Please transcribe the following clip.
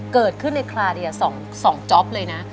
เกิดขึ้นในคลาเดีย๒จ๊อปเลยนะ